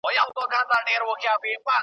ظاهر سپین وي په باطن توره بلا وي .